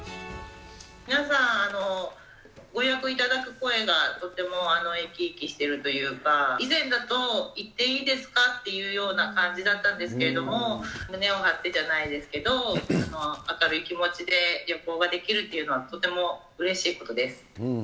皆さん、ご予約いただく声がとても生き生きしているというか、以前だと、行っていいですかっていうような感じだったんですけれども、胸を張ってじゃないですけど、明るい気持ちで旅行ができるっていうのは、とてもうれしいことです。